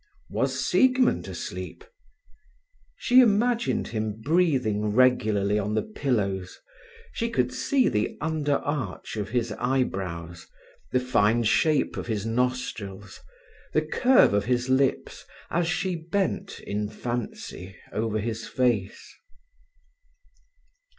Was Siegmund asleep? She imagined him breathing regularly on the pillows; she could see the under arch of his eyebrows, the fine shape of his nostrils, the curve of his lips, as she bent in fancy over his face.